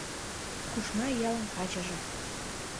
Кушна ялын качыже